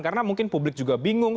karena mungkin publik juga bingung